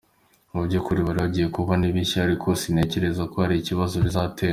Mu by’ukuri ibi bigiye kuba ni bishya ariko sintekereza ko hari ikibazo bizatera.